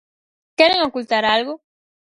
¿Queren ocultar algo?